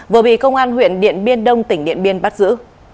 vừa bị công an huyện điện biên đông tỉnh điện biên bắt giữ